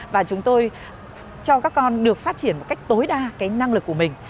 và chúng tôi cho các con được phát triển một cách tối đa cái năng lực của mình